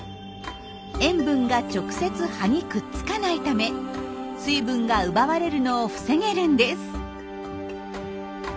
塩分が直接葉にくっつかないため水分が奪われるのを防げるんです。